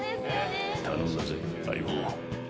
頼んだぜ、「相棒」。